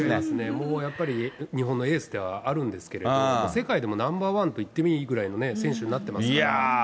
もうやっぱり日本のエースではあるんですけれども、世界でもナンバー１といってもいいぐらいのね、選手になってます